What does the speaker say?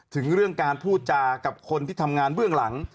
ถึงเรื่องการพูดจากับคนที่ทำงานเบื้องหลัง